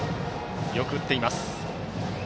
よく打っています。